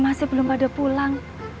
masih belum pada pulang